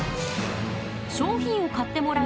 商品を買ってもらう。